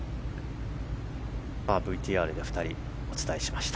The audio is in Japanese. ＶＴＲで２人お伝えしました。